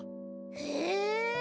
へえ。